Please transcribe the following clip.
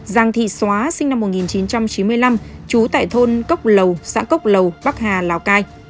giàng thị xóa sinh năm một nghìn chín trăm chín mươi năm trú tại thôn cốc lầu xã cốc lầu bắc hà lào cai